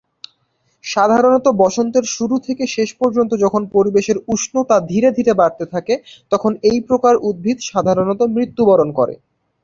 সাধারণত বসন্তের শুরু থেকে শেষ পর্যন্ত যখন পরিবেশের উষ্ণতা ধীরে ধীরে বাড়তে থাকে তখন এই প্রকার উদ্ভিদ সাধারণত মৃত্যুবরণ করে।